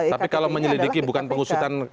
tapi kalau menyelidiki bukan pengusutan